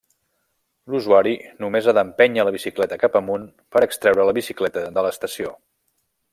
L'usuari només ha d'empènyer la bicicleta cap amunt per extreure la bicicleta de l'estació.